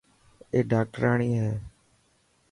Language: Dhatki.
اي ڊاڪٽرياڻي هي.